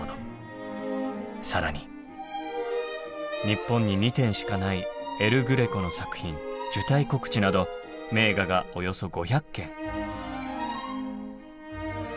更に日本に２点しかないエル・グレコの作品「受胎告知」など名画がおよそ５００件。